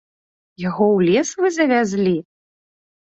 Яго ў лес вы завялі?